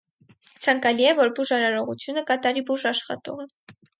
Ցանկալի է, որ բուժարարողությունը կատարի բուժաշխատողը։